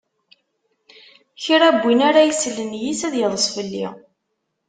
Kra n win ara yeslen yis-i, ad yeḍṣ fell-i.